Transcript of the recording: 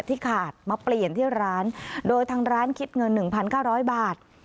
ที่ขาดมาเปลี่ยนที่ร้านโดยทางร้านคิดเงิน๑๙๐๐บาท